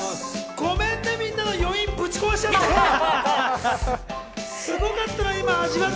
ごめんね、みんなの余韻ぶち壊しちゃって。